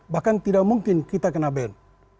bahkan tidak mungkin kita kena band